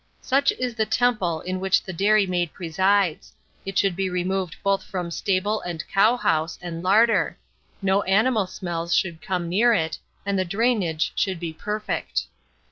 Such is the temple in which the dairy maid presides: it should be removed both from stable and cowhouse, and larder; no animal smells should come near it, and the drainage should be perfect.